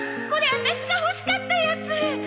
これワタシが欲しかったやつ！